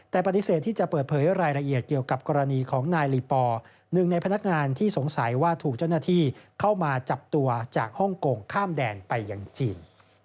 แต่ปฏิเสธที่จะเปิดเผยรายละเอียดเกี่ยวกับกรณีของนายลีปอร์หนึ่งในพนักงานที่สงสัยว่าถูกเจ้าหน้าที่เข้ามาจับตัวจากฮ่องกงข้ามแดนไปอย่างจีน